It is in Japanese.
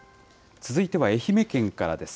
続いては愛媛県からです。